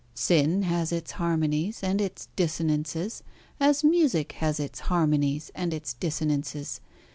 Sin has its harmonies and its dissonances, as music has its harmonies and its dissonances.